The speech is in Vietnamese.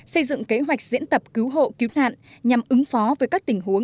xây dựng kế hoạch diễn tập cứu hộ cứu nạn nhằm ứng phó với các tình huống